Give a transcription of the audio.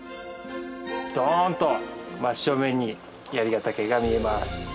ドンと真っ正面に槍ヶ岳が見えます。